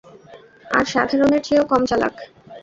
আর সাধারণের চেয়েও কম চালাক।